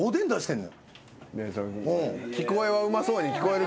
聞こえはうまそうに聞こえるけどさ。